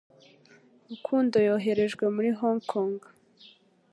Rukundo yoherejwe muri Hong Kong